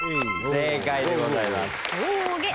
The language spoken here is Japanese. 正解でございます。